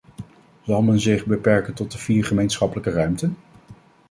Zal men zich beperken tot de vier gemeenschappelijke ruimten?